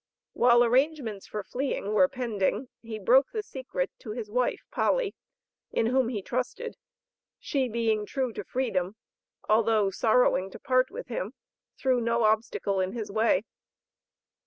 While arrangements for fleeing were pending, he broke the secret to his wife, Polly, in whom he trusted; she being true to freedom, although sorrowing to part with him, threw no obstacle in his way.